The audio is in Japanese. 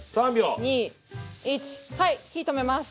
２１はい火止めます。